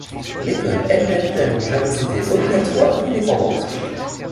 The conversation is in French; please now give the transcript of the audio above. L'école elle-même n'a donc jamais été obligatoire ni dépendante.